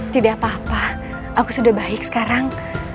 tidak apa apa aku sudah baik sekarang